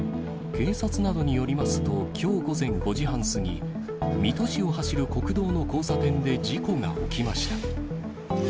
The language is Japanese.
警察などによりますと、きょう午前５時半過ぎ、水戸市を走る国道の交差点で事故が起きました。